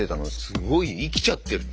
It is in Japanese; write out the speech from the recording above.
すごい生きちゃってる。